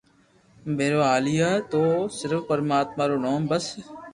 ڀيرو ھالئي ھاليو تو صرف پرماتما رو نوم بس